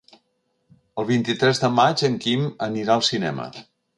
El vint-i-tres de maig en Quim anirà al cinema.